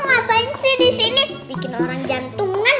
ngapain sih di sini bikin orang jantungan